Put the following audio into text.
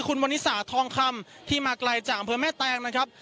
คุณวันนิสาทองคำที่มาไกลจากอำเภอแม่แตงนะครับ